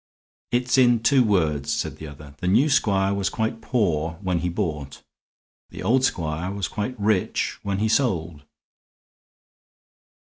"It's in two words," said the other. "The new squire was quite poor when he bought. The old squire was quite rich when he sold."